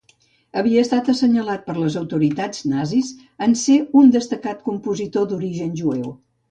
Havia estat assenyalat per les autoritats nazis, en ser un destacat compositor d'origen jueu.